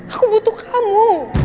aku butuh kamu